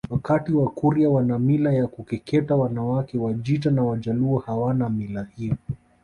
wakati Wakurya wana mila ya kukeketa wanawake Wajita na Wajaluo hawana mila hiyo